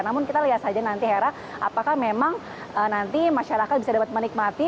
namun kita lihat saja nanti hera apakah memang nanti masyarakat bisa dapat menikmati